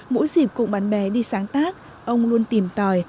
mỗi dịp cụ bạn bè đi sáng tác ông luôn tìm tòi